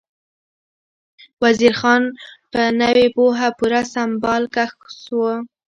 وزیر خان په نوې پوهه پوره سمبال کس و.